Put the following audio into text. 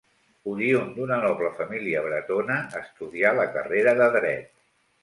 Oriünd d'una noble família bretona, estudià la carrera de dret.